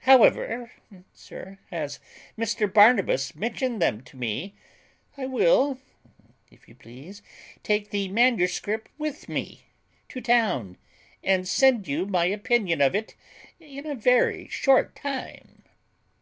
However, sir, as Mr Barnabas mentioned them to me, I will, if you please, take the manuscript with me to town, and send you my opinion of it in a very short time."